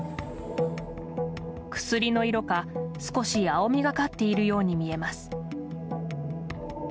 薬の色か少し青みがかっているように見えます。